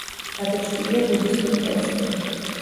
დაბეჭდილია ბუდისტური ტექსტები.